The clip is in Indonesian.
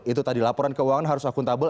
itu tadi laporan keuangan harus akuntabel